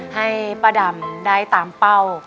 ให้ป้าดำได้ตามเป้า